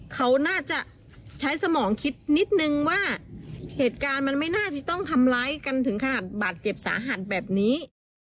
เขาน่าจะใช้สมองคิดนิดนึงว่าเหตุการณ์มันไม่น่าจะต้องทำร้ายกันถึงขนาดบาดเจ็บสาหัสแบบนี้